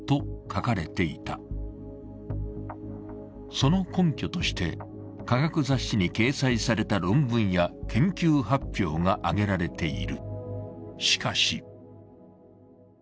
その根拠として科学雑誌に掲載された論文や研究発表が挙げられている。